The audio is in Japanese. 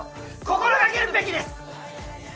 心がけるべきです。